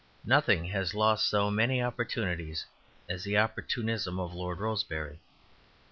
Nothing has lost so many opportunities as the opportunism of Lord Rosebery.